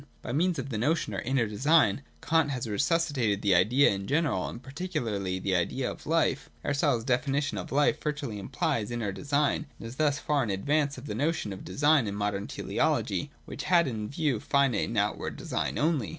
By means of the notion of Inner Design Kant has resusci tated the Idea in general and particularly the idea of life. Aristotle's definition of life virtually implies inner design, and is thus far in advance of the notion of design in modern Teleology, which had in view finite and out ward design only.